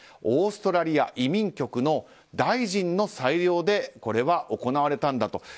オーストラリア移民局の大臣の裁量でこれは行われたんだと。